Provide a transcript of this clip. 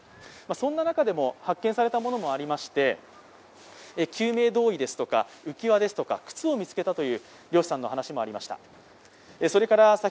そんな中でも発見されたものもありまして救命胴衣ですとか浮き輪ですとか靴を見つけたという漁師さんの話もありました。